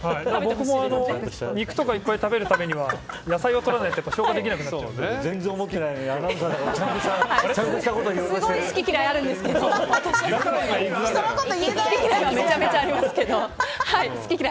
僕も肉とかをいっぱい食べるためにも野菜を取らないと消化できなくなっちゃいますから。